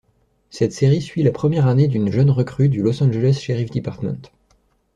Cette série suit la première année d'une jeune recrue du Los Angeles Sheriff Department.